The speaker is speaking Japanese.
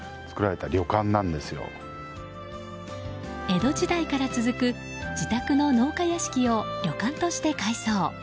江戸時代から続く自宅の農家屋敷を旅館として改装。